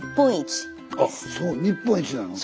あっそう日本一なの？